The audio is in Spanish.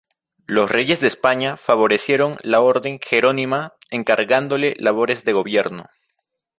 Los reyes de España favorecieron la Orden Jerónima encargándole labores de gobierno.